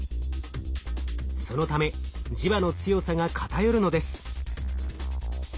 そのため磁場の強さがかたよるのです。